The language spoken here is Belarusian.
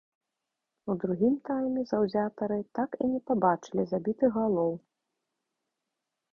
У другім тайме заўзятары так і не пабачылі забітых галоў.